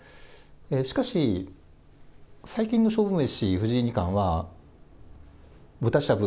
しかし、最近の勝負メシ、藤井二冠は、豚しゃぶ。